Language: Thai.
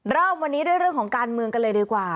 เริ่มวันนี้ด้วยเรื่องของการเมืองกันเลยดีกว่า